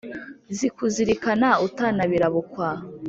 zikuzirikana utanabirabukwa